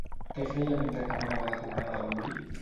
Què feia mentre caminava de tornada al molí?